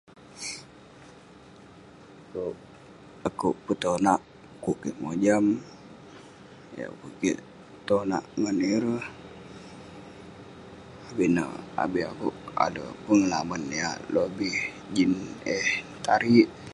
Akuek petonak dukuk kik mojam yah duduk kik tonak ngan ireh. Abin akuek alek pengalaman yah lobih Jin eh tarik